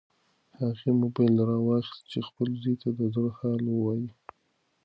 هغې موبایل ورواخیست چې خپل زوی ته د زړه حال ووایي.